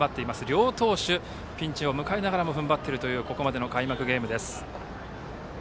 両投手、ピンチを迎えながらも踏ん張っているというここまでの開幕ゲームです。